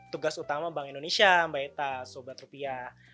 tugas utama bank indonesia mbak eta sobat rupiah